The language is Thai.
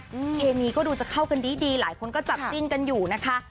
เพลงนี้ดูจะเข้ากันดีรายคนก็จับชิ้นอยู่นะคะ